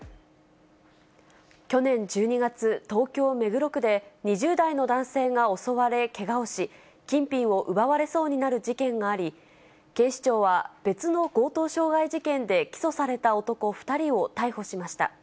去年１２月、東京・目黒区で、２０代の男性が襲われ、けがをし、金品を奪われそうになる事件があり、警視庁は、別の強盗傷害事件で起訴された男２人を逮捕しました。